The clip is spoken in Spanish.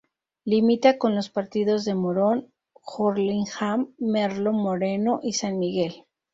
Limita con los Partidos de Morón, Hurlingham, Merlo, Moreno y San Miguel.